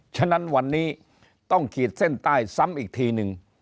ฉะนั้นวันนี้ต้องขีดเส้นใต้ซ้ำอีกทีนึง